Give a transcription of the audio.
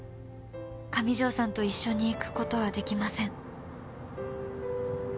「上条さんと一緒に行くことはできません」